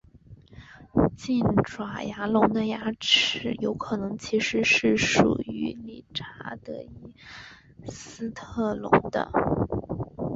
近爪牙龙的牙齿有可能其实是属于理查德伊斯特斯龙的。